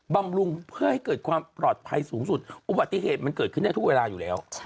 บำรุงเพื่อให้เกิดความปลอดภัยสูงสุดอุบัติเหตุมันเกิดขึ้นได้ทุกเวลาอยู่แล้ว